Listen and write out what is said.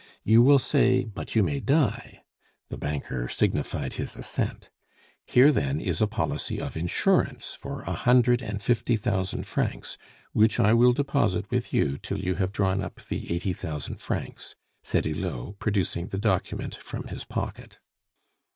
You will say, 'But you may die'" the banker signified his assent "Here, then, is a policy of insurance for a hundred and fifty thousand francs, which I will deposit with you till you have drawn up the eighty thousand francs," said Hulot, producing the document form his pocket.